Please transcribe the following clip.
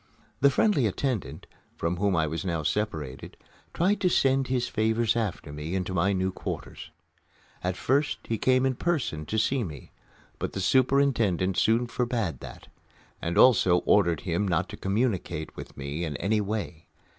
The friendly attendant, from whom I was now separated, tried to send his favors after me into my new quarters. At first he came in person to see me, but the superintendent soon forbade that, and also ordered him not to communicate with me in any way.